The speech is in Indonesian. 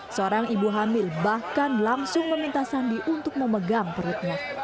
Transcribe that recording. seorang ibu hamil bahkan langsung meminta sandi untuk memegang perutnya